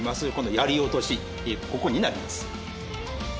槍落としってここになります。